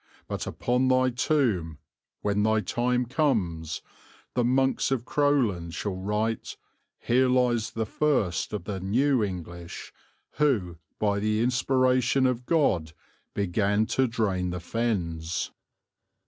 But upon thy tomb, when thy time comes, the monks of Crowland shall write, 'Here lies the first of the new English; who, by the inspiration of God, began to drain the Fens.'"